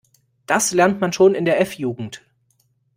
Das lernt man schon in der F-Jugend.